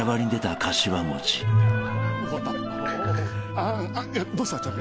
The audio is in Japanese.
あんどうした？